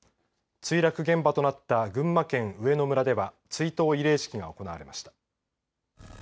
墜落現場となった群馬県上野村では追悼慰霊式が行われました。